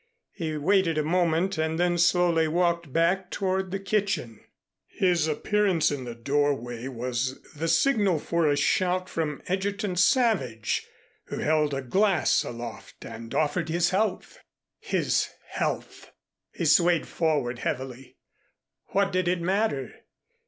He waited a moment and then slowly walked back toward the kitchen. His appearance in the doorway was the signal for a shout from Egerton Savage who held a glass aloft and offered his health. His health! He swayed forward heavily. What did it matter?